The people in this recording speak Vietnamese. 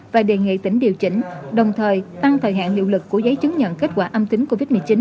và đề nghị tỉnh điều chỉnh đồng thời tăng thời hạn hiệu lực của giấy chứng nhận kết quả âm tính covid một mươi chín